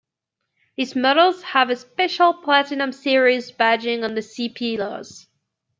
These models have a special Platinum Series badging on the C pillars.